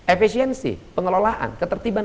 efisiensi pengelolaan ketertiban